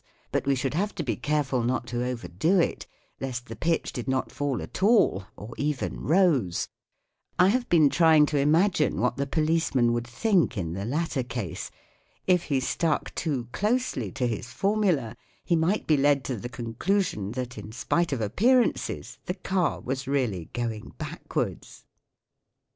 But we should have to be careful not to overdo it, lest the pitch did not fall at all, or even rose ! I have been trying to im agine what the policeman would think in the latter case. If he stuck too closely to his formula he might be led to the conclusion that, in spite of appearances, the car was really going backwards